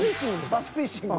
バスフィッシング。